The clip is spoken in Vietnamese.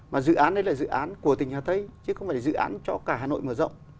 mà dự án đấy là dự án của tỉnh hà tây chứ không phải là dự án cho cả hà nội mở rộng